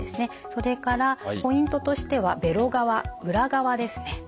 それからポイントとしてはべろ側裏側ですね。